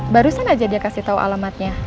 barusan aja dia kasih tahu alamatnya